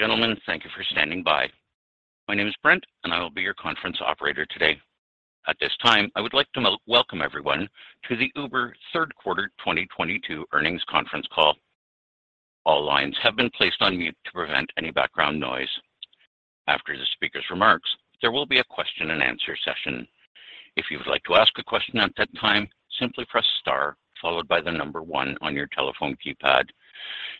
Ladies and gentlemen, thank you for standing by. My name is Brent, and I will be your conference operator today. At this time, I would like to welcome everyone to the Uber third quarter 2022 earnings conference call. All lines have been placed on mute to prevent any background noise. After the speaker's remarks, there will be a question and answer session. If you would like to ask a question at that time, simply press star followed by the number one on your telephone keypad.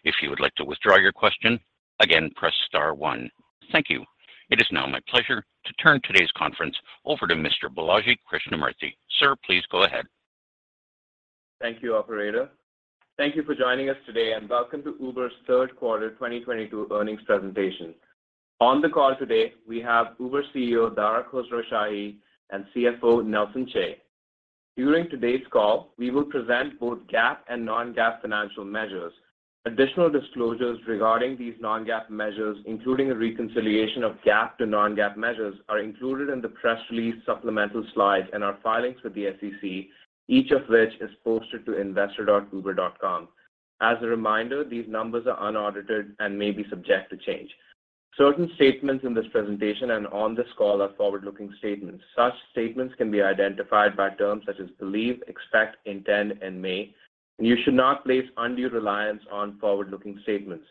If you would like to withdraw your question, again, press star one. Thank you. It is now my pleasure to turn today's conference over to Mr. Balaji Krishnamurthy. Sir, please go ahead. Thank you, operator. Thank you for joining us today and welcome to Uber's third quarter 2022 earnings presentation. On the call today, we have Uber CEO, Dara Khosrowshahi, and CFO, Nelson Chai. During today's call, we will present both GAAP and non-GAAP financial measures. Additional disclosures regarding these non-GAAP measures, including a reconciliation of GAAP to non-GAAP measures, are included in the press release supplemental slides and our filings with the SEC, each of which is posted to investor.uber.com. As a reminder, these numbers are unaudited and may be subject to change. Certain statements in this presentation and on this call are forward-looking statements. Such statements can be identified by terms such as believe, expect, intend, and may, and you should not place undue reliance on forward-looking statements.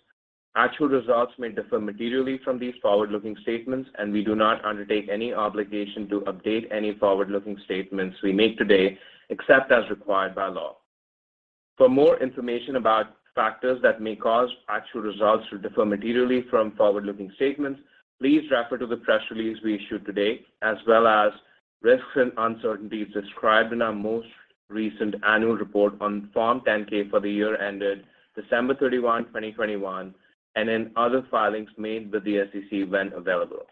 Actual results may differ materially from these forward-looking statements, and we do not undertake any obligation to update any forward-looking statements we make today except as required by law. For more information about factors that may cause actual results to differ materially from forward-looking statements, please refer to the press release we issued today, as well as risks and uncertainties described in our most recent annual report on Form 10-K for the year ended December 31, 2021 and in other filings made with the SEC when available.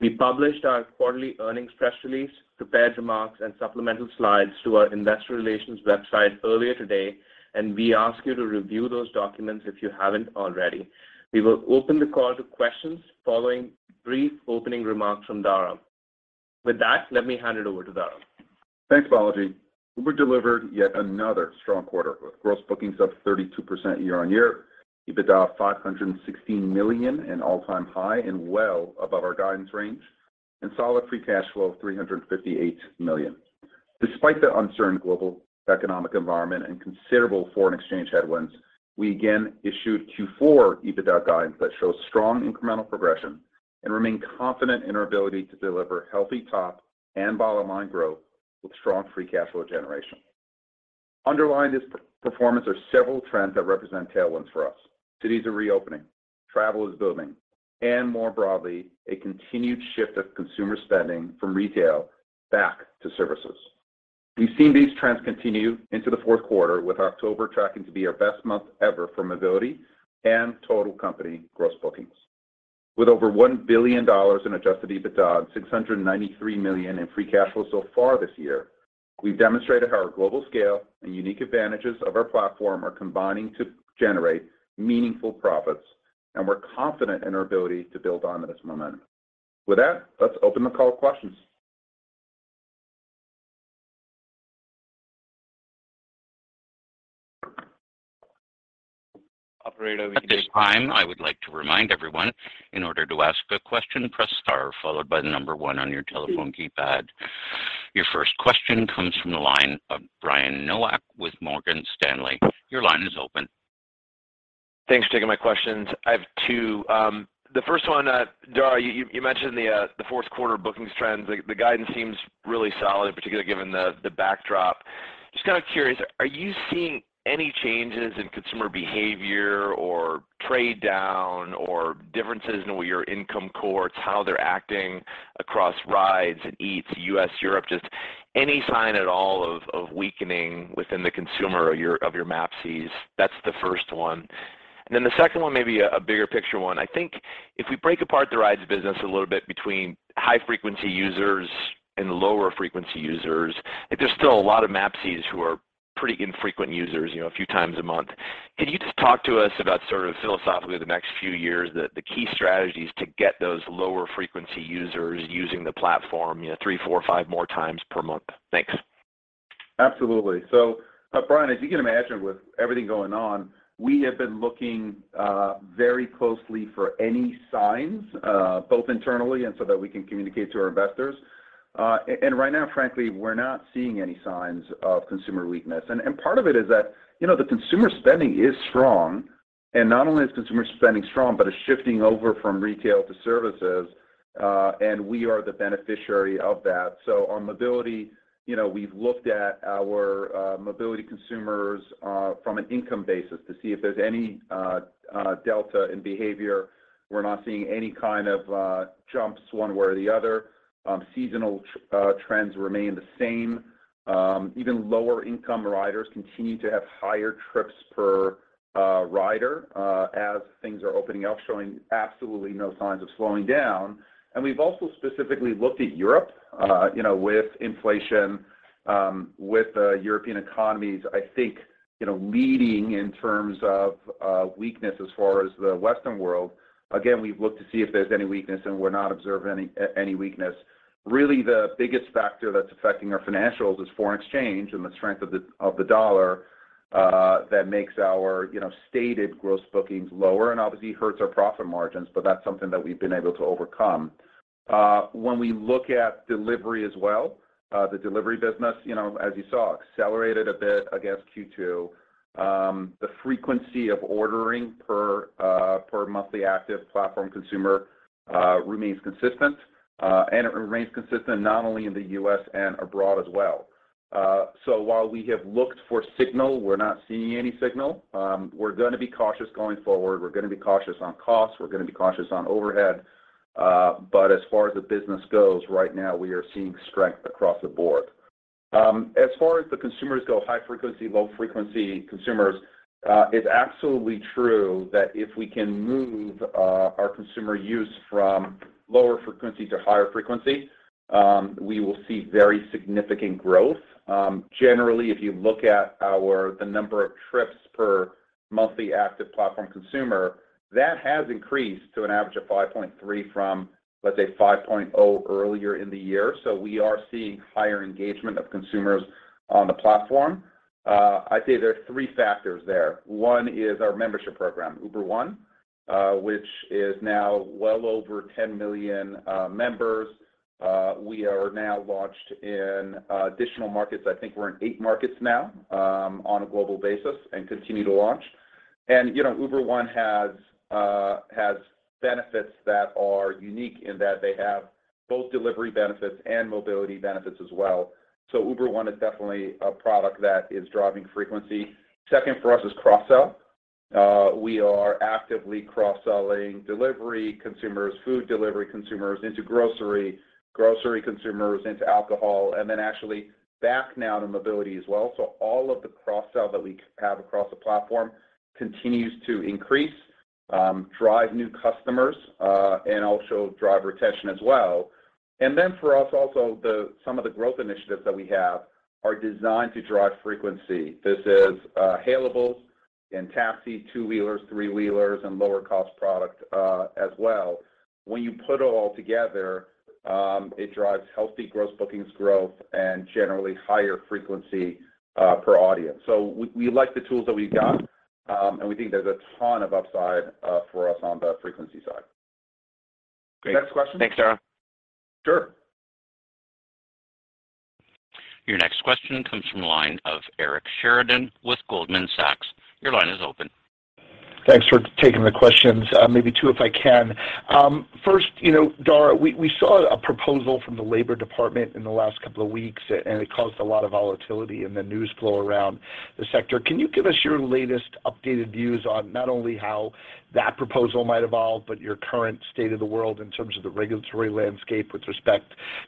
We published our quarterly earnings press release, prepared remarks, and supplemental slides to our investor relations website earlier today, and we ask you to review those documents if you haven't already. We will open the call to questions following brief opening remarks from Dara. With that, let me hand it over to Dara. Thanks, Balaji. Uber delivered yet another strong quarter with gross bookings up 32% year-on-year, EBITDA of $516 million, an all-time high and well above our guidance range, and solid free cash flow of $358 million. Despite the uncertain global economic environment and considerable foreign exchange headwinds, we again issued Q4 EBITDA guidance that shows strong incremental progression and remain confident in our ability to deliver healthy top and bottom line growth with strong free cash flow generation. Underlying this performance are several trends that represent tailwinds for us. Cities are re-opening, travel is booming, and more broadly, a continued shift of consumer spending from retail back to services. We've seen these trends continue into the fourth quarter, with October tracking to be our best month ever for mobility and total company gross bookings. With over $1 billion in adjusted EBITDA and $693 million in free cash flow so far this year, we've demonstrated how our global scale and unique advantages of our platform are combining to generate meaningful profits, and we're confident in our ability to build on this momentum. With that, let's open the call for questions. Operator, we can- At this time, I would like to remind everyone in order to ask a question, press star followed by the number one on your telephone keypad. Your first question comes from the line of Brian Nowak with Morgan Stanley. Your line is open. Thanks for taking my questions. I have two. The first one, Dara, you mentioned the fourth quarter bookings trends. The guidance seems really solid, particularly given the backdrop. Just kind of curious, are you seeing any changes in consumer behavior or trade down or differences in what your income cohorts, how they're acting across Rides and Eats, U.S., Europe? Just any sign at all of weakening within the consumer of your MAPCs? That's the first one. The second one may be a bigger picture one. I think if we break apart the rides business a little bit between high-frequency users and lower frequency users, like, there's still a lot of MAPCs who are pretty infrequent users, you know, a few times a month. Can you just talk to us about sort of philosophically the next few years, the key strategies to get those lower frequency users using the platform, you know, three, four, five more times per month? Thanks. Absolutely. Brian, as you can imagine with everything going on, we have been looking very closely for any signs both internally and so that we can communicate to our investors. Right now, frankly, we're not seeing any signs of consumer weakness. Part of it is that, you know, the consumer spending is strong, and not only is consumer spending strong, but it's shifting over from retail to services, and we are the beneficiary of that. On mobility, you know, we've looked at our mobility consumers from an income basis to see if there's any delta in behavior. We're not seeing any kind of jumps one way or the other. Seasonal trends remain the same. Even lower income riders continue to have higher trips per rider as things are opening up, showing absolutely no signs of slowing down. We've also specifically looked at Europe, you know, with inflation, with the European economies, I think, you know, leading in terms of weakness as far as the western world. Again, we've looked to see if there's any weakness, and we're not observing any weakness. Really, the biggest factor that's affecting our financials is foreign exchange and the strength of the dollar. That makes our, you know, stated gross bookings lower and obviously hurts our profit margins, but that's something that we've been able to overcome. When we look at delivery as well, the delivery business, you know, as you saw, accelerated a bit against Q2. The frequency of ordering per monthly active platform consumer remains consistent. It remains consistent not only in the U.S. and abroad as well. While we have looked for signal, we're not seeing any signal. We're gonna be cautious going forward. We're gonna be cautious on costs. We're gonna be cautious on overhead. As far as the business goes, right now, we are seeing strength across the board. As far as the consumers go, high-frequency, low-frequency consumers, it's absolutely true that if we can move our consumer use from lower frequency to higher frequency, we will see very significant growth. Generally, if you look at the number of trips per monthly active platform consumer, that has increased to an average of 5.3 from, let's say, 5.0 earlier in the year. We are seeing higher engagement of consumers on the platform. I'd say there are three factors there. One is our membership program, Uber One, which is now well over 10 million members. We are now launched in additional markets. I think we're in eight markets now, on a global basis and continue to launch. You know, Uber One has benefits that are unique in that they have both delivery benefits and mobility benefits as well. Uber One is definitely a product that is driving frequency. Second for us is cross-sell. We are actively cross-selling delivery consumers, food delivery consumers into grocery consumers into alcohol, and then actually back now to mobility as well. All of the cross-sell that we have across the platform continues to increase, drive new customers, and also drive retention as well. For us also, some of the growth initiatives that we have are designed to drive frequency. This is Hailables and Taxi, two-wheelers, three-wheelers, and lower cost product, as well. When you put it all together, it drives healthy gross bookings growth and generally higher frequency per audience. We like the tools that we got, and we think there's a ton of upside for us on the frequency side. Great. Next question? Thanks, Dara. Sure. Your next question comes from the line of Eric Sheridan with Goldman Sachs. Your line is open. Thanks for taking the questions. Maybe two, if I can. First, you know, Dara, we saw a proposal from the Department of Labor in the last couple of weeks, and it caused a lot of volatility in the news flow around the sector. Can you give us your latest updated views on not only how that proposal might evolve, but your current state of the world in terms of the regulatory landscape with respect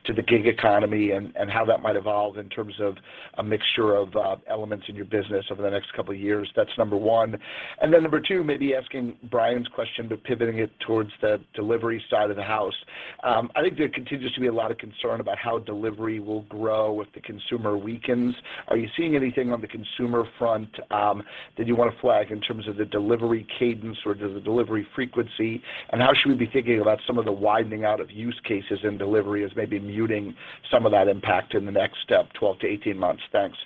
to the gig economy and how that might evolve in terms of a mixture of elements in your business over the next couple of years? That's number one. Number two, maybe asking Brian's question, but pivoting it towards the delivery side of the house. I think there continues to be a lot of concern about how delivery will grow if the consumer weakens. Are you seeing anything on the consumer front, that you want to flag in terms of the delivery cadence or the delivery frequency? How should we be thinking about some of the widening out of use cases in delivery as maybe muting some of that impact in the next, 12-18 months? Thanks.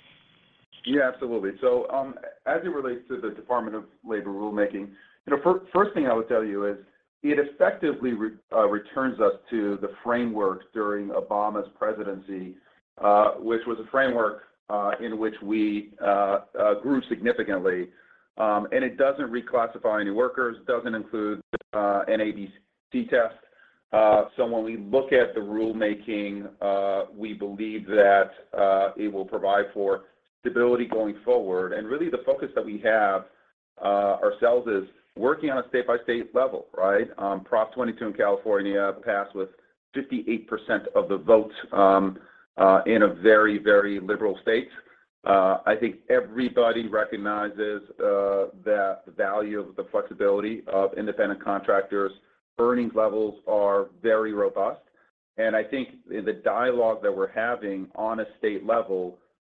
Yeah, absolutely. As it relates to the Department of Labor rulemaking, you know, first thing I would tell you is it effectively returns us to the framework during Obama's presidency, which was a framework in which we grew significantly. It doesn't reclassify any workers, it doesn't include an ABC test. When we look at the rulemaking, we believe that it will provide for stability going forward. Really the focus that we have ourselves is working on a state-by-state level, right? Proposition 22 in California passed with 58% of the vote in a very liberal state. I think everybody recognizes the value of the flexibility of independent contractors. Earnings levels are very robust. I think the dialogue that we're having on a state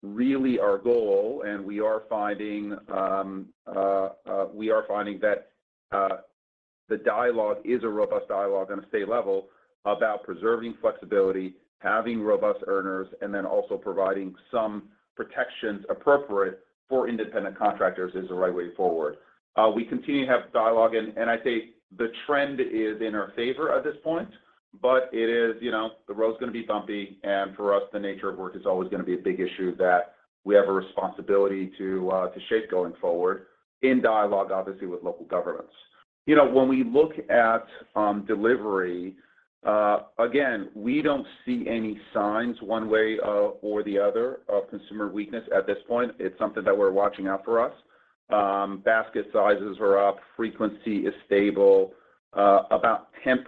level, really our goal, and we are finding that the dialogue is a robust dialogue on a state level about preserving flexibility, having robust earners, and then also providing some protections appropriate for independent contractors is the right way forward. We continue to have dialogue, and I say the trend is in our favor at this point, but it is, you know, the road's gonna be bumpy, and for us, the nature of work is always gonna be a big issue that we have a responsibility to shape going forward in dialogue, obviously, with local governments. You know, when we look at delivery, again, we don't see any signs one way or the other of consumer weakness at this point. It's something that we're watching out for us. Basket sizes are up, frequency is stable. About 10%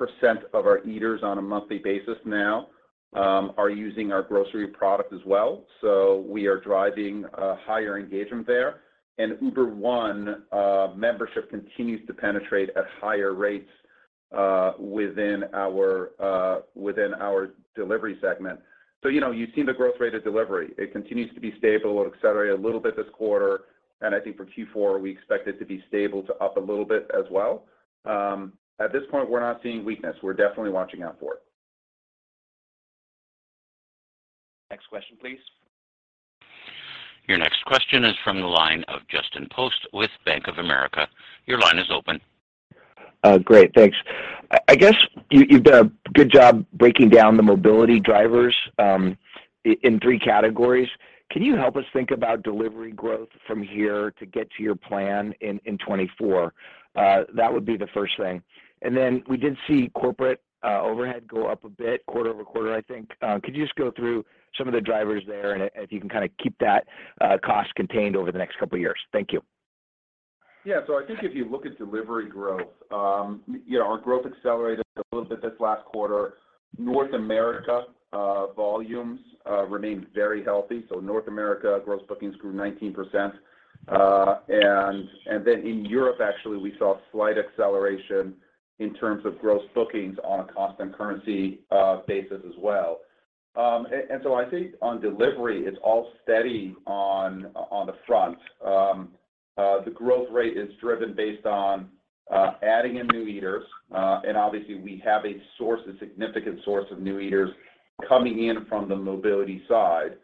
of our eaters on a monthly basis now are using our grocery product as well. We are driving higher engagement there. Uber One membership continues to penetrate at higher rates within our delivery segment. You know, you've seen the growth rate of delivery. It continues to be stable. It accelerated a little bit this quarter, and I think for Q4, we expect it to be stable to up a little bit as well. At this point, we're not seeing weakness. We're definitely watching out for it. Next question, please. Your next question is from the line of Justin Post with Bank of America. Your line is open. Great. Thanks. I guess you've done a good job breaking down the mobility drivers in three categories. Can you help us think about delivery growth from here to get to your plan in 2024? That would be the first thing. Then we did see corporate overhead go up a bit quarter-over-quarter, I think. Could you just go through some of the drivers there and if you can kinda keep that cost contained over the next couple years? Thank you. I think if you look at delivery growth, you know, our growth accelerated a little bit this last quarter. North America volumes remained very healthy. North America gross bookings grew 19%. And then in Europe actually, we saw slight acceleration in terms of gross bookings on a constant currency basis as well. And so I think on delivery, it's all steady on the front. The growth rate is driven based on adding in new eaters. And obviously we have a significant source of new eaters coming in from the mobility side.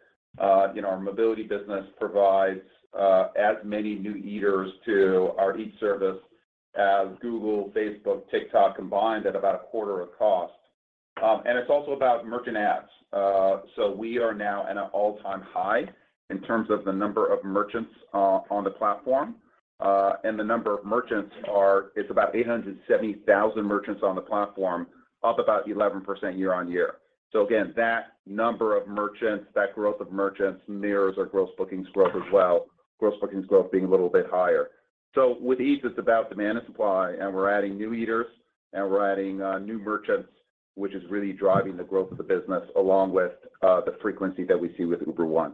You know, our mobility business provides as many new eaters to our Eats service as Google, Facebook, TikTok combined at about a quarter of cost. And it's also about merchant ads. We are now at an all-time high in terms of the number of merchants on the platform. The number of merchants is about 870,000 merchants on the platform, up about 11% year-on-year. Again, that number of merchants, that growth of merchants mirrors our gross bookings growth as well, gross bookings growth being a little bit higher. With Eats, it's about demand and supply, and we're adding new eaters and we're adding new merchants, which is really driving the growth of the business along with the frequency that we see with Uber One.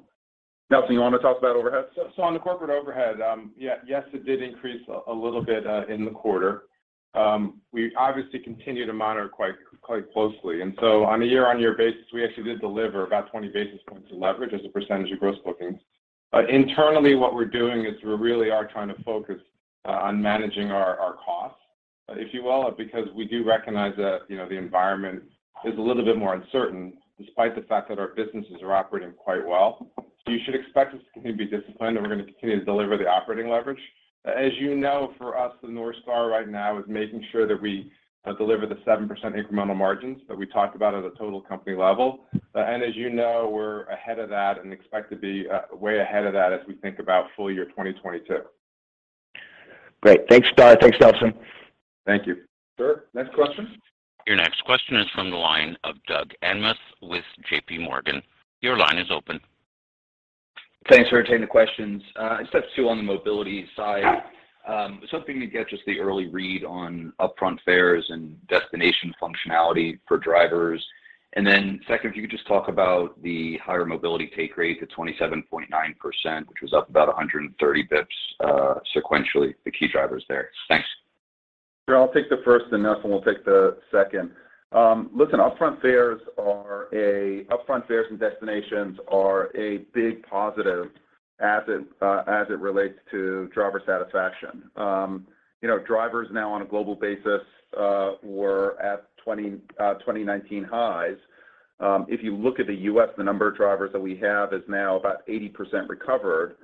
Nelson, you want to talk about overhead? On the corporate overhead, it did increase a little bit in the quarter. We obviously continue to monitor quite closely. On a year-on-year basis, we actually did deliver about 20 basis points of leverage as a percentage of gross bookings. Internally, what we're doing is we really are trying to focus on managing our costs, if you will, because we do recognize that, you know, the environment is a little bit more uncertain despite the fact that our businesses are operating quite well. You should expect us to continue to be disciplined, and we're gonna continue to deliver the operating leverage. As you know, for us, the North Star right now is making sure that we deliver the 7% incremental margins that we talked about at a total company level. As you know, we're ahead of that and expect to be way ahead of that as we think about full year 2022. Great. Thanks, Dara. Thanks, Nelson. Thank you. Sir, next question. Your next question is from the line of Doug Anmuth with JPMorgan. Your line is open. Thanks for taking the questions. It's two on the mobility side. Hoping to get just the early read on upfront fares and destination functionality for drivers. Second, if you could just talk about the higher mobility take rate to 27.9%, which was up about 130 basis points sequentially, the key drivers there. Thanks. Sure. I'll take the first, then Nelson will take the second. Listen, upfront fares and destinations are a big positive as it relates to driver satisfaction. You know, drivers now on a global basis were at 2019 highs. If you look at the U.S., the number of drivers that we have is now about 80% recovered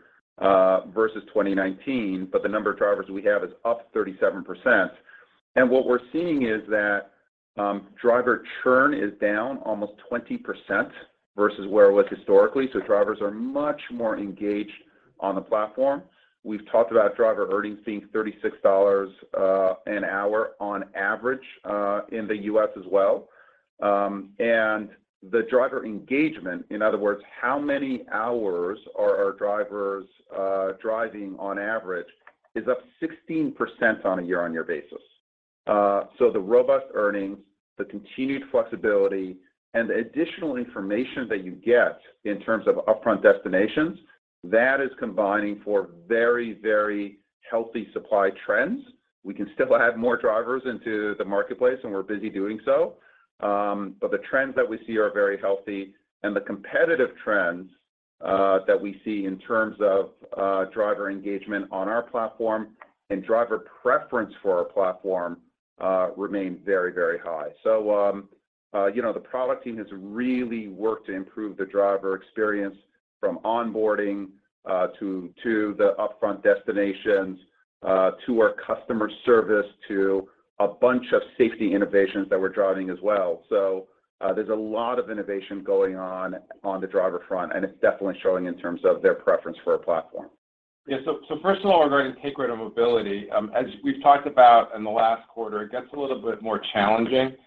versus 2019, but the number of drivers we have is up 37%. What we're seeing is that driver churn is down almost 20% versus where it was historically. Drivers are much more engaged on the platform. We've talked about driver earnings being $36 an hour on average in the U.S. as well. The driver engagement, in other words, how many hours are our drivers driving on average is up 16% on a year-over-year basis. The robust earnings, the continued flexibility, and the additional information that you get in terms of upfront destinations, that is combining for very, very healthy supply trends. We can still add more drivers into the marketplace, and we're busy doing so. The trends that we see are very healthy, and the competitive trends that we see in terms of driver engagement on our platform and driver preference for our platform remain very, very high. You know, the product team has really worked to improve the driver experience from onboarding to the upfront destinations to our customer service to a bunch of safety innovations that we're driving as well. There's a lot of innovation going on the driver front, and it's definitely showing in terms of their preference for our platform. Yeah. First of all, regarding the take rate of mobility, as we've talked about in the last quarter, it gets a little bit more challenging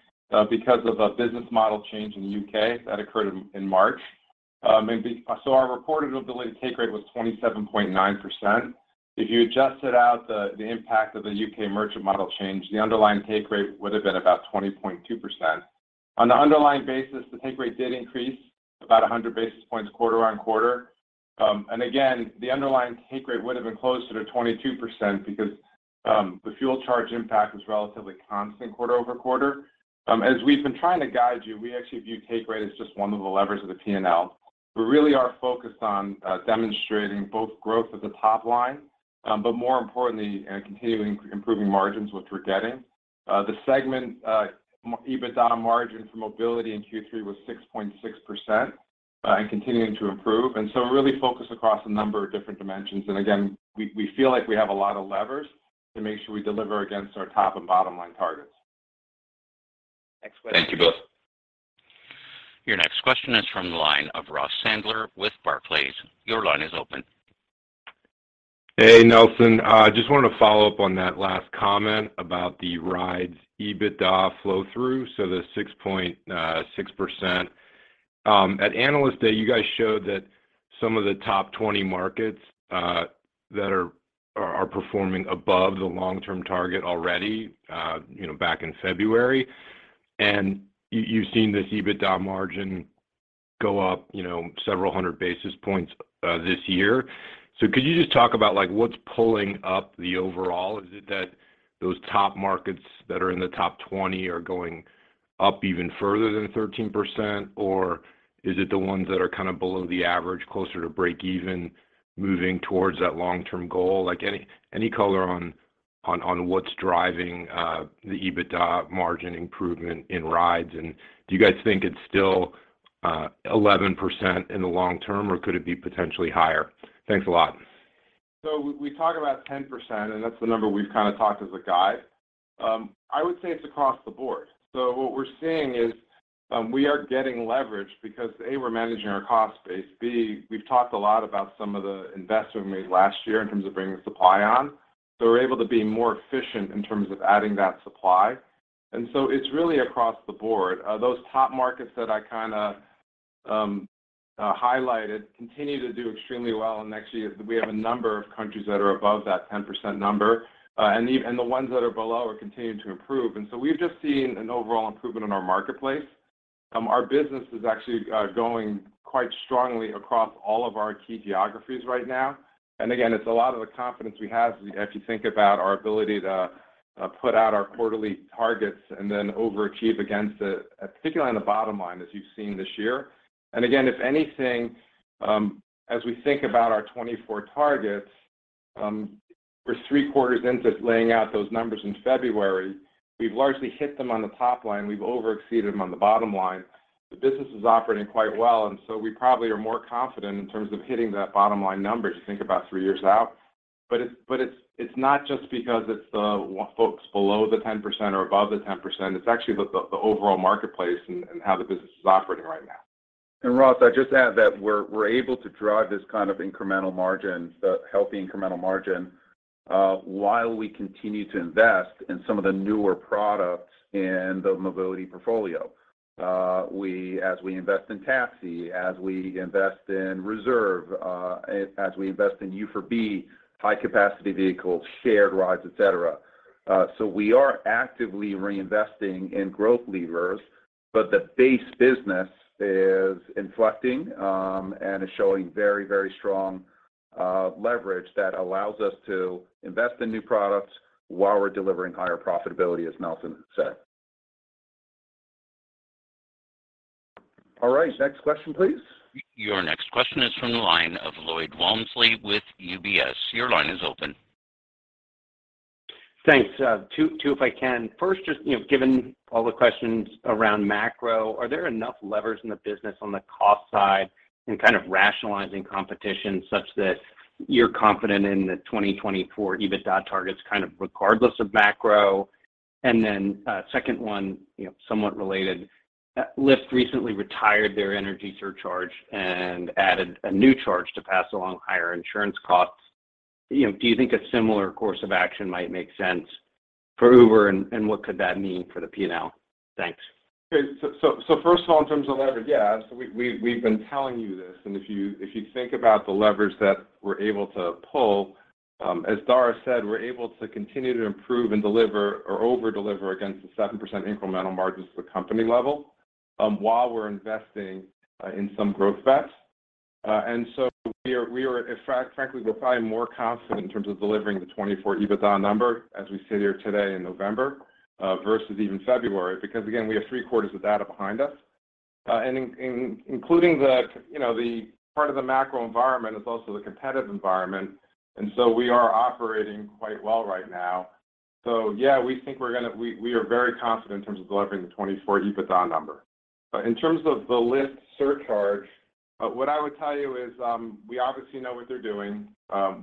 because of a business model change in the U.K. that occurred in March. Our reported mobility take rate was 27.9%. If you adjusted out the impact of the U.K. merchant model change, the underlying take rate would have been about 20.2%. On the underlying basis, the take rate did increase about 100 basis points quarter-over-quarter. Again, the underlying take rate would have been closer to 22% because the fuel charge impact was relatively constant quarter-over-quarter. As we've been trying to guide you, we actually view take rate as just one of the levers of the P&L. We really are focused on demonstrating both growth at the top line, but more importantly and continuing improving margins, which we're getting. The segment EBITDA margin for mobility in Q3 was 6.6%, and continuing to improve. Again, we feel like we have a lot of levers to make sure we deliver against our top and bottom-line targets. Next question. Thank you, Dara. Your next question is from the line of Ross Sandler with Barclays. Your line is open. Hey, Nelson, just wanted to follow up on that last comment about the rides EBITDA flow through, so the 6.6%. At Analyst Day, you guys showed that some of the top 20 markets that are performing above the long-term target already, you know, back in February. You’ve seen this EBITDA margin go up, you know, several hundred basis points this year. Could you just talk about like what’s pulling up the overall? Is it that those top markets that are in the top 20 are going up even further than 13%? Or is it the ones that are kind of below the average, closer to breakeven, moving towards that long-term goal? Like, any color on what's driving the EBITDA margin improvement in rides, and do you guys think it's still 11% in the long term, or could it be potentially higher? Thanks a lot. We talk about 10%, and that's the number we've kind of talked as a guide. I would say it's across the board. What we're seeing is, we are getting leverage because, A, we're managing our cost base, B, we've talked a lot about some of the investment we made last year in terms of bringing supply on. We're able to be more efficient in terms of adding that supply. It's really across the board. Those top markets that I kinda highlighted continue to do extremely well. Actually, we have a number of countries that are above that 10% number. Even the ones that are below are continuing to improve. We've just seen an overall improvement in our marketplace. Our business is actually going quite strongly across all of our key geographies right now. Again, it's a lot of the confidence we have as you think about our ability to put out our quarterly targets and then overachieve against it, particularly on the bottom line, as you've seen this year. Again, if anything, as we think about our 2024 targets, we're three quarters into laying out those numbers in February. We've largely hit them on the top line. We've over exceeded them on the bottom line. The business is operating quite well, and so we probably are more confident in terms of hitting that bottom line number as you think about three years out. It's not just because it's the folks below the 10% or above the 10%. It's actually the overall marketplace and how the business is operating right now. Ross, I'd just add that we're able to drive this kind of incremental margin, the healthy incremental margin, while we continue to invest in some of the newer products in the mobility portfolio. As we invest in Taxi, as we invest in Reserve, as we invest in U for B, high-capacity vehicles, shared rides, et cetera. We are actively reinvesting in growth levers, but the base business is inflecting, and is showing very, very strong leverage that allows us to invest in new products while we're delivering higher profitability, as Nelson said. All right, next question, please. Your next question is from the line of Lloyd Walmsley with UBS. Your line is open. Thanks. Two, if I can. First, just, you know, given all the questions around macro, are there enough levers in the business on the cost side in kind of rationalizing competition such that you're confident in the 2024 EBITDA targets kind of regardless of macro? Then, second one, you know, somewhat related, Lyft recently retired their energy surcharge and added a new charge to pass along higher insurance costs. You know, do you think a similar course of action might make sense for Uber, and what could that mean for the P&L? Thanks. Okay. First of all, in terms of leverage, yeah, we've been telling you this, and if you think about the leverage that we're able to pull, as Dara said, we're able to continue to improve and deliver or over-deliver against the 7% incremental margins at the company level, while we're investing in some growth bets. We are frankly, we're probably more confident in terms of delivering the 2024 EBITDA number as we sit here today in November, versus even February, because again, we have three quarters of data behind us. Including the, you know, the part of the macro environment is also the competitive environment, and we are operating quite well right now. Yeah, we are very confident in terms of delivering the 2024 EBITDA number. In terms of the Lyft surcharge, what I would tell you is, we obviously know what they're doing.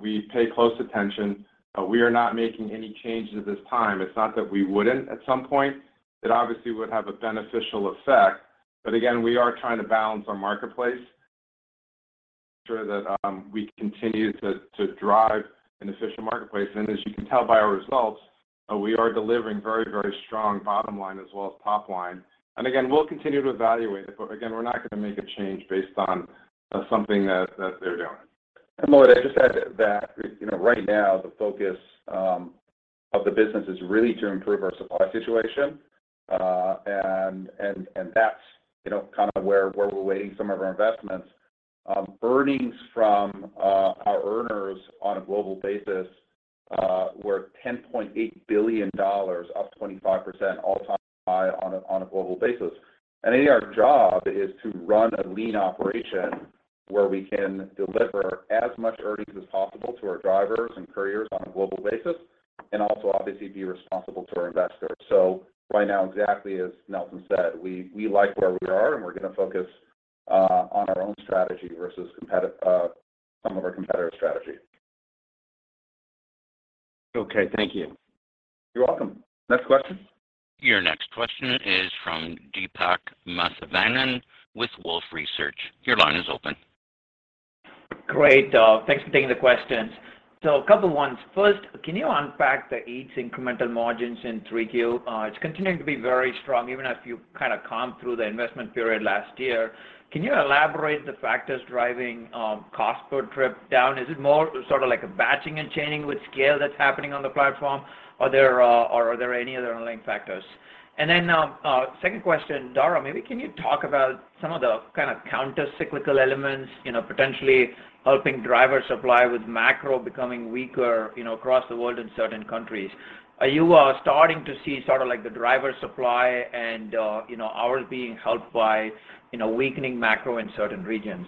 We pay close attention. We are not making any changes at this time. It's not that we wouldn't at some point. It obviously would have a beneficial effect. Again, we are trying to balance our marketplace, ensure that we continue to drive an efficient marketplace. As you can tell by our results, we are delivering very, very strong bottom line as well as top line. Again, we'll continue to evaluate, but again, we're not gonna make a change based on something that they're doing. Lloyd, I'd just add to that, you know, right now the focus of the business is really to improve our supply situation. That's, you know, kind of where we're weighting some of our investments. Earnings for our earners on a global basis. We're $10.8 billion, up 25%, all-time high on a global basis. I think our job is to run a lean operation where we can deliver as much earnings as possible to our drivers and couriers on a global basis, and also obviously be responsible to our investors. Right now, exactly as Nelson said, we like where we are, and we're gonna focus on our own strategy versus some of our competitor strategy. Okay, thank you. You're welcome. Next question. Your next question is from Deepak Mathivanan with Wolfe Research. Your line is open. Great, thanks for taking the questions. A couple ones. First, can you unpack the Eats incremental margins in 3Q? It's continuing to be very strong, even as you kind of comb through the investment period last year. Can you elaborate the factors driving cost per trip down? Is it more sort of like a batching and chaining with scale that's happening on the platform? Are there any other underlying factors? Then, second question, Dara, maybe can you talk about some of the kind of countercyclical elements, you know, potentially helping driver supply with macro becoming weaker, you know, across the world in certain countries? Are you starting to see sort of like the driver supply and, you know, hours being helped by, you know, weakening macro in certain regions?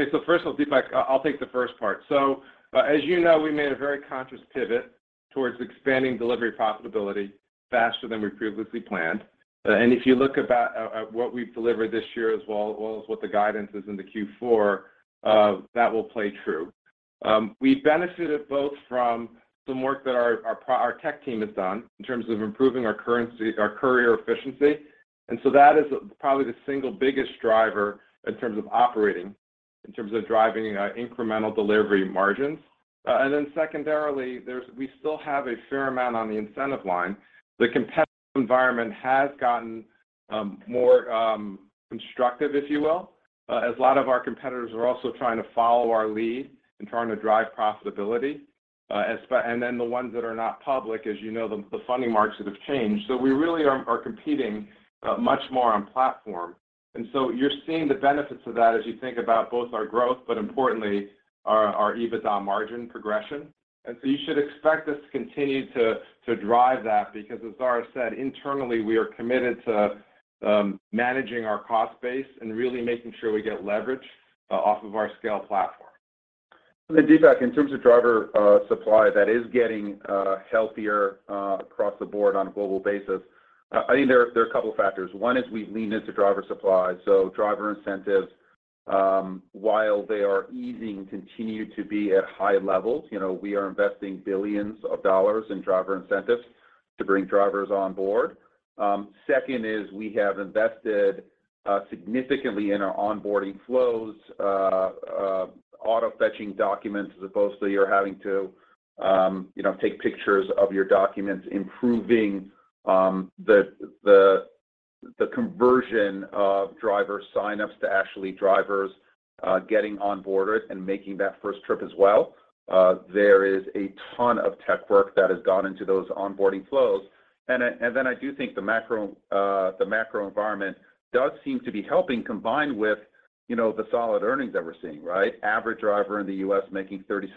Okay. First of all, Deepak, I'll take the first part. As you know, we made a very conscious pivot towards expanding delivery profitability faster than we previously planned. If you look at what we've delivered this year as well as what the guidance is in the Q4, that will play true. We benefited both from some work that our tech team has done in terms of improving our currency, our courier efficiency, and so that is probably the single biggest driver in terms of driving incremental delivery margins. Then secondarily, we still have a fair amount on the incentive line. The competitive environment has gotten more constructive, if you will, as a lot of our competitors are also trying to follow our lead and trying to drive profitability. The ones that are not public, as you know, the funding markets have changed. We really are competing much more on platform. You're seeing the benefits of that as you think about both our growth, but importantly our EBITDA margin progression. You should expect us to continue to drive that, because as Dara said, internally we are committed to managing our cost base and really making sure we get leverage off of our scale platform. Deepak, in terms of driver supply, that is getting healthier across the board on a global basis. I think there are a couple factors. One is we lean into driver supply, so driver incentives, while they are easing, continue to be at high levels. You know, we are investing billions of dollars in driver incentives to bring drivers on board. Second is we have invested significantly in our onboarding flows, auto-fetching documents as opposed to you're having to, you know, take pictures of your documents, improving the conversion of driver sign-ups to actually drivers getting onboarded and making that first trip as well. There is a ton of tech work that has gone into those onboarding flows. Then I do think the macro environment does seem to be helping combined with, you know, the solid earnings that we're seeing, right? Average driver in the U.S. making $36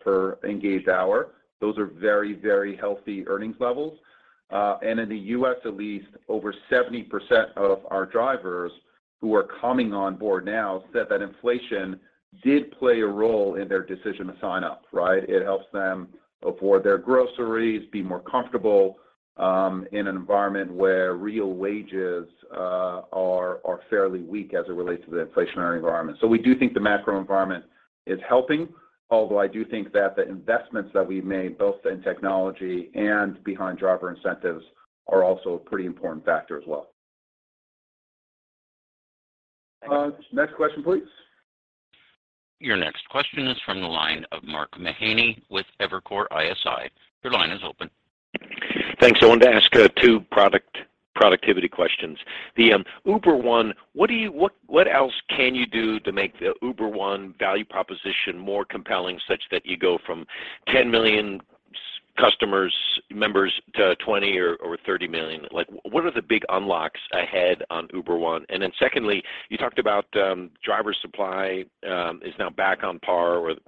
per engaged hour. Those are very, very healthy earnings levels. In the U.S. at least, over 70% of our drivers who are coming on board now said that inflation did play a role in their decision to sign up, right? It helps them afford their groceries, be more comfortable, in an environment where real wages are fairly weak as it relates to the inflationary environment. We do think the macro environment is helping, although I do think that the investments that we've made, both in technology and behind driver incentives, are also a pretty important factor as well. Thank you. Next question, please. Your next question is from the line of Mark Mahaney with Evercore ISI. Your line is open. Thanks. I wanted to ask two productivity questions. The Uber One, what else can you do to make the Uber One value proposition more compelling such that you go from 10 million customers, members to 20 or 30 million? Like, what are the big unlocks ahead on Uber One? Secondly, you talked about driver supply is now back on par with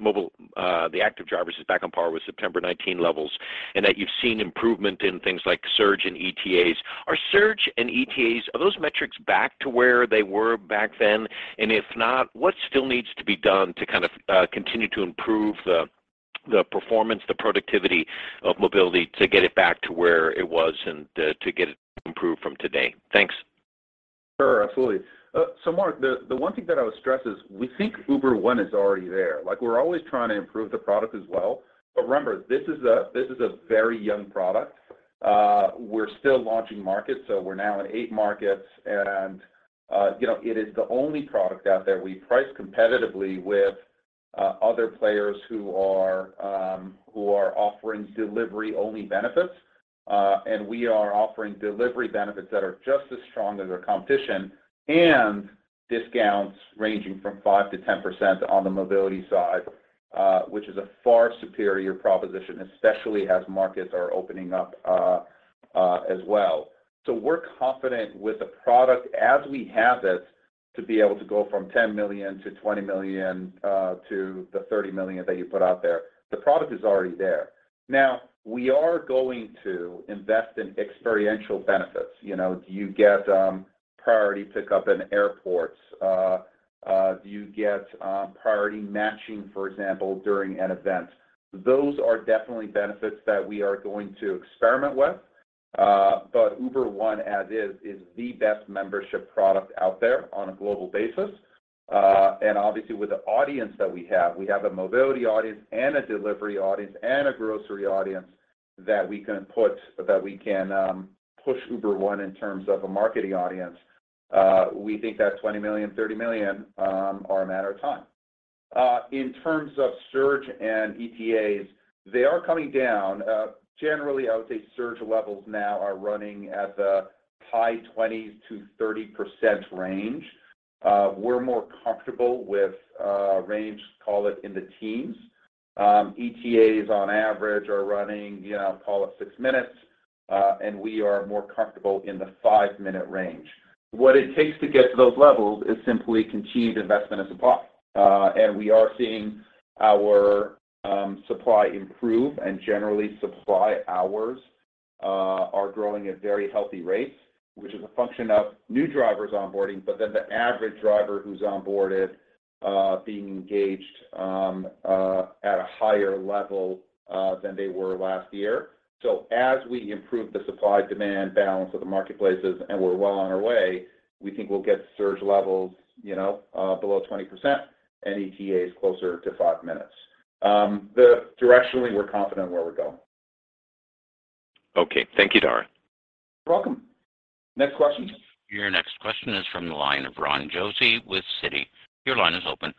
mobile, the active drivers is back on par with September 2019 levels, and that you've seen improvement in things like surge and ETAs. Are surge and ETAs those metrics back to where they were back then? If not, what still needs to be done to kind of continue to improve the performance, the productivity of mobility to get it back to where it was and to get it to improve from today? Thanks. Sure, absolutely. Mark, the one thing that I would stress is we think Uber One is already there. Like, we're always trying to improve the product as well, but remember, this is a very young product. We're still launching markets, so we're now in eight markets and, you know, it is the only product out there we price competitively with other players who are offering delivery-only benefits. We are offering delivery benefits that are just as strong as our competition and discounts ranging from 5%-10% on the mobility side, which is a far superior proposition, especially as markets are opening up, as well. We're confident with the product as we have it. To be able to go from 10 million-20 million to the 30 million that you put out there. The product is already there. Now, we are going to invest in experiential benefits. You know, do you get priority pickup in airports? Do you get priority matching, for example, during an event? Those are definitely benefits that we are going to experiment with. But Uber One as is the best membership product out there on a global basis. And obviously with the audience that we have, we have a mobility audience and a delivery audience and a grocery audience that we can put that we can push Uber One in terms of a marketing audience. We think that 20 million, 30 million, are a matter of time. In terms of surge and ETAs, they are coming down. Generally, I would say surge levels now are running at the high 20%-30% range. We're more comfortable with range, call it in the teens. ETAs on average are running, you know, call it 6 minutes, and we are more comfortable in the 5-minute range. What it takes to get to those levels is simply continued investment in supply. We are seeing our supply improve and generally supply hours are growing at very healthy rates, which is a function of new drivers onboarding, but then the average driver who's onboarded being engaged at a higher level than they were last year. As we improve the supply-demand balance of the marketplaces, and we're well on our way, we think we'll get surge levels, you know, below 20% and ETAs closer to 5 minutes. Directionally, we're confident where we're going. Okay. Thank you, Dara. You're welcome. Next question. Your next question is from the line of Ron Josey with Citi. Your line is open.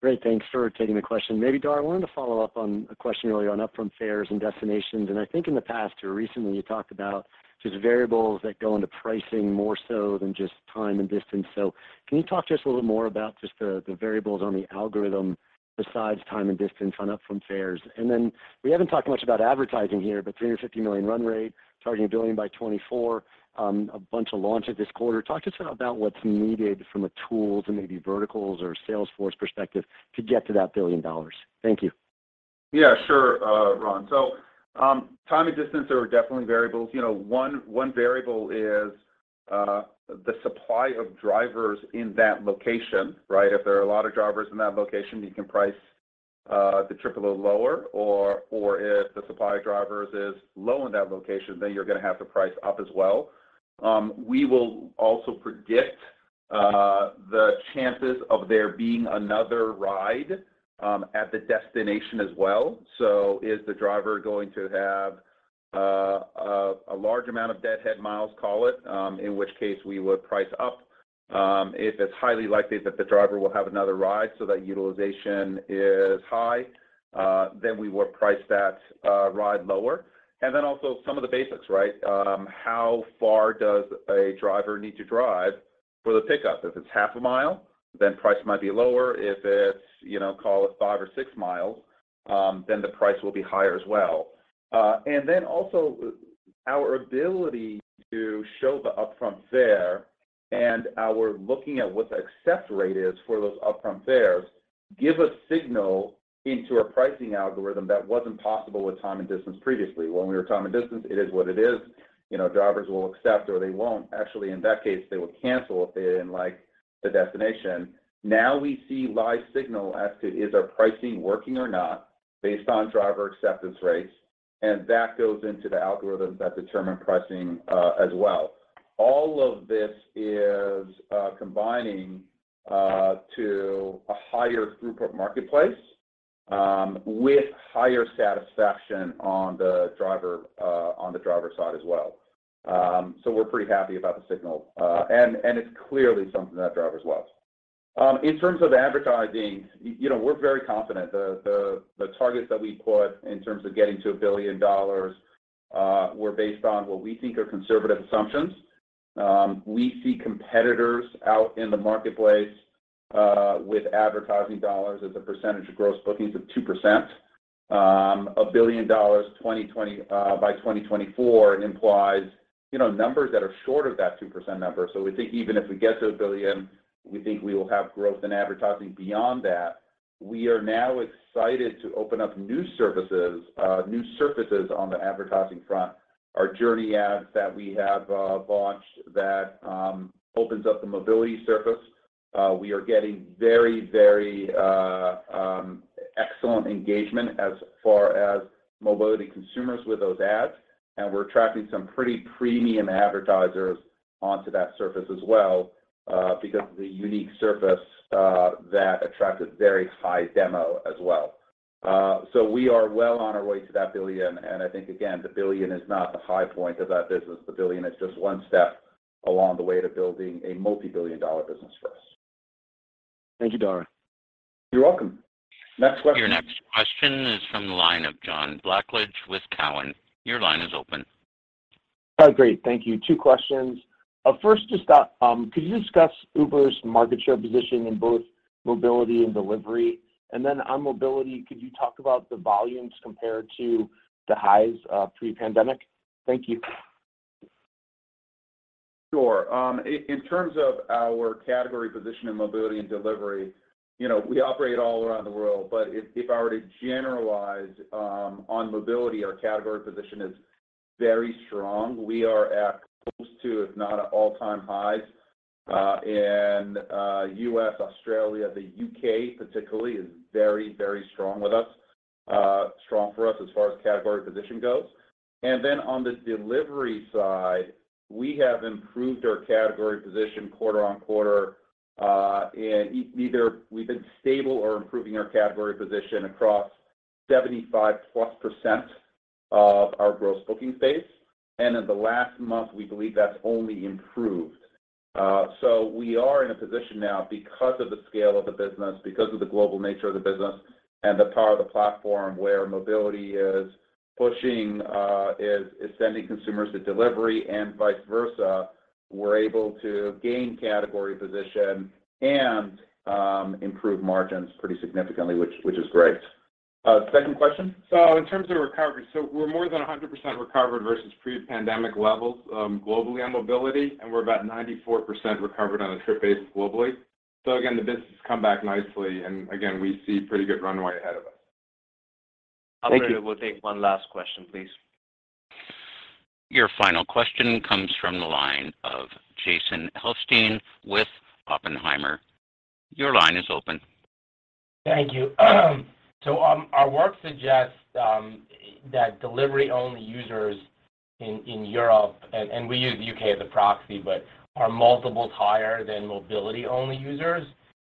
Great. Thanks for taking the question. Maybe, Dara, I wanted to follow up on a question earlier on upfront fares and destinations. I think in the past or recently, you talked about just variables that go into pricing more so than just time and distance. Can you talk to us a little more about just the variables on the algorithm besides time and distance on upfront fares? We haven't talked much about advertising here, but $350 million run rate, targeting $1 billion by 2024, a bunch of launches this quarter. Talk to us about what's needed from a tools and maybe verticals or Salesforce perspective to get to that $1 billion. Thank you. Yeah, sure, Ron. Time and distance are definitely variables. You know, one variable is the supply of drivers in that location, right? If there are a lot of drivers in that location, you can price the trip a little lower, or if the supply of drivers is low in that location, then you're gonna have to price up as well. We will also predict the chances of there being another ride at the destination as well. Is the driver going to have a large amount of deadhead miles, call it, in which case we would price up. If it's highly likely that the driver will have another ride so that utilization is high, then we would price that ride lower. Also some of the basics, right? How far does a driver need to drive for the pickup? If it's half a mile, then price might be lower. If it's, you know, call it 5 mi or 6 mi, then the price will be higher as well. And then also our ability to show the upfront fare and our looking at what the accept rate is for those upfront fares, give a signal into our pricing algorithm that wasn't possible with time and distance previously. When we were time and distance, it is what it is. You know, drivers will accept or they won't. Actually, in that case, they will cancel if they didn't like the destination. Now we see live signal as to is our pricing working or not based on driver acceptance rates, and that goes into the algorithms that determine pricing, as well. All of this is combining to a higher throughput marketplace, with higher satisfaction on the driver side as well. We're pretty happy about the signal. It's clearly something that drivers love. In terms of the advertising, you know, we're very confident. The targets that we put in terms of getting to $1 billion were based on what we think are conservative assumptions. We see competitors out in the marketplace with advertising dollars as a percentage of gross bookings of 2%. $1 billion by 2024 implies, you know, numbers that are short of that 2% number. We think even if we get to $1 billion, we think we will have growth in advertising beyond that. We are now excited to open up new services, new surfaces on the advertising front. Our Journey Ads that we have launched that opens up the mobility surface. We are getting very excellent engagement as far as mobility consumers with those ads. We're attracting some pretty premium advertisers onto that surface as well, because of the unique surface that attracted very high demo as well. We are well on our way to that $1 billion. I think, again, the $1 billion is not the high point of that business. The $1 billion is just one step along the way to building a multibillion-dollar business for us. Thank you, Dara. You're welcome. Next question. Your next question is from the line of John Blackledge with Cowen. Your line is open. Hi. Great. Thank you. Two questions. First, just, could you discuss Uber's market share position in both mobility and delivery? On mobility, could you talk about the volumes compared to the highs, pre-pandemic? Thank you. Sure. In terms of our category position in mobility and delivery, you know, we operate all around the world, but if I were to generalize, on mobility, our category position is very strong. We are at close to, if not an all-time high, in U.S., Australia. The U.K. particularly is very, very strong with us, strong for us as far as category position goes. Then on the delivery side, we have improved our category position quarter-over-quarter, either we've been stable or improving our category position across 75%+ of our gross booking base. In the last month, we believe that's only improved. We are in a position now because of the scale of the business, because of the global nature of the business and the power of the platform where mobility is sending consumers to delivery and vice versa. We're able to gain category position and improve margins pretty significantly, which is great. Second question? In terms of recovery, we're more than 100% recovered versus pre-pandemic levels globally on mobility, and we're about 94% recovered on a trip basis globally. Again, the business has come back nicely and again, we see pretty good runway ahead of us. Thank you. Operator, we'll take one last question, please. Your final question comes from the line of Jason Helfstein with Oppenheimer. Your line is open. Thank you. Our work suggests that delivery-only users in Europe and we use the U.K. as a proxy, but are multiples higher than mobility-only users.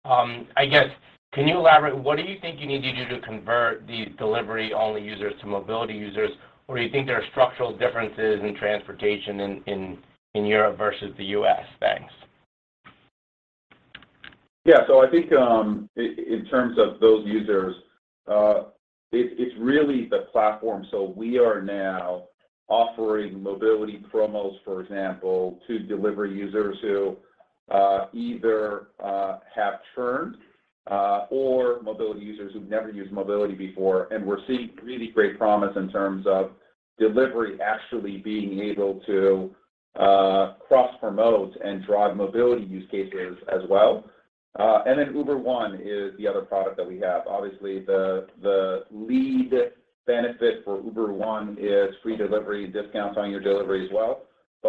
I guess can you elaborate, what do you think you need to do to convert these delivery-only users to mobility users? Or do you think there are structural differences in transportation in Europe versus the U.S.? Thanks. Yeah. I think, in terms of those users, it's really the platform. We are now offering mobility promos, for example, to delivery users who either have churned or mobility users who've never used mobility before. We're seeing really great promise in terms of delivery, actually being able to cross-promote and drive mobility use cases as well. Then Uber One is the other product that we have. Obviously, the lead benefit for Uber One is free delivery discounts on your delivery as well.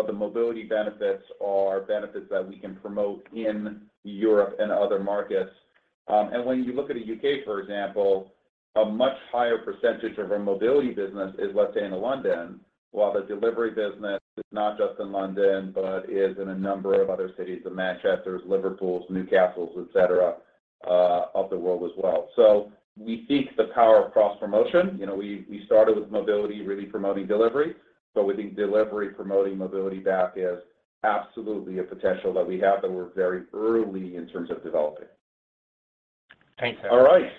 The mobility benefits are benefits that we can promote in Europe and other markets. When you look at the U.K., for example, a much higher percentage of our mobility business is, let's say, in London, while the delivery business is not just in London, but is in a number of other cities, the Manchester, Liverpool, Newcastle, etc., of the world as well. We seek the power of cross-promotion. You know, we started with mobility really promoting delivery, but we think delivery promoting mobility back is absolutely a potential that we have that we're very early in terms of developing. Thanks. All right.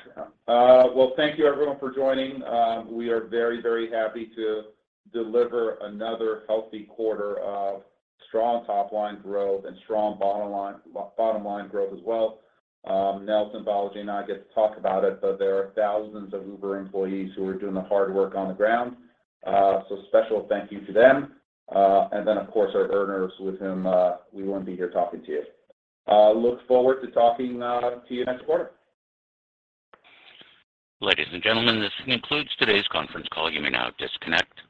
Well, thank you everyone for joining. We are very, very happy to deliver another healthy quarter of strong top-line growth and strong bottom line growth as well. Nelson, Balaji, and I get to talk about it, but there are thousands of Uber employees who are doing the hard work on the ground. Special thank you to them. Of course, our earners with whom we wouldn't be here talking to you. Look forward to talking to you next quarter. Ladies and gentlemen, this concludes today's conference call. You may now disconnect.